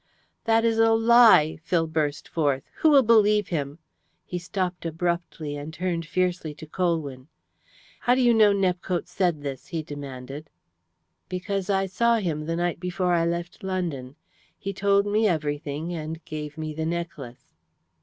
"That is a lie!" Phil burst forth. "Who will believe him?" He stopped abruptly, and turned fiercely to Colwyn. "How do you know Nepcote said this?" he demanded. "Because I saw him the night before I left London. He told me everything, and gave me the necklace."